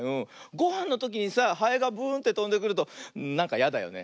ごはんのときにさハエがブーンってとんでくるとなんかやだよね。